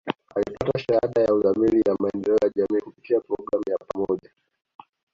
Alipata Shahada ya Uzamili ya Maendeleo ya Jamii kupitia programu ya pamoja